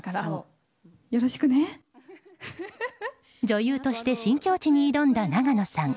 女優として新境地に挑んだ永野さん。